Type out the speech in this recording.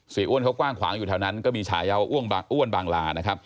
เสียอ้วนก็กว้างขวางอยู่แถวนั้นก็มีฉายาอ้วงอ้วนบางลา